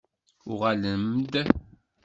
Uɣalem-d!